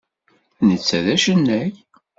Netta d acennay.